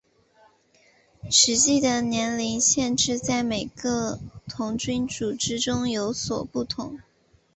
实际的年龄限制在每个童军组织中有所不同。